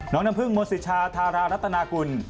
น้ำพึ่งโมสิชาธารารัตนากุล